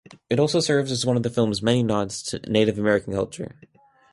It also serves as one of the film's many nods to Native American culture.